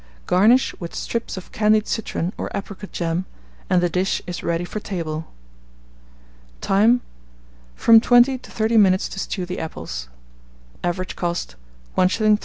Garnish with strips of candied citron or apricot jam, and the dish is ready for table. Time. From 20 to SO minutes to stew the apples. Average cost, 1s. 3d.